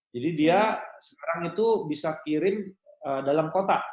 jadi dia sekarang itu bisa kirim dalam kota